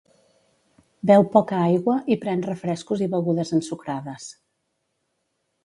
Beu poca aigua i pren refrescos i begudes ensucrades.